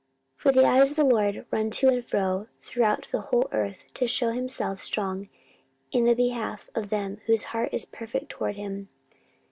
14:016:009 For the eyes of the LORD run to and fro throughout the whole earth, to shew himself strong in the behalf of them whose heart is perfect toward him.